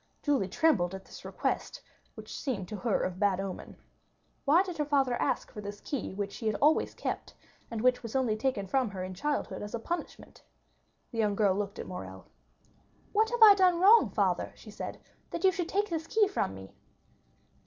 Julie trembled at this request, which seemed to her of bad omen. Why did her father ask for this key which she always kept, and which was only taken from her in childhood as a punishment? The young girl looked at Morrel. "What have I done wrong, father," she said, "that you should take this key from me?"